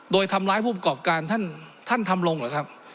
โดยทำร้ายผู้ประกอบการท่านท่านทำลงเหรอครับ